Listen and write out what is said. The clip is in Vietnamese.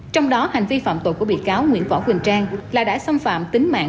trong đó hành vi phạm tội của bị cáo nguyễn võ quỳnh trang là đã xâm phạm tính mạng